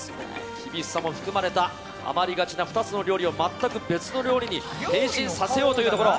厳しさも含まれた余りがちの２つの料理を全く別の料理に変身させようというところ。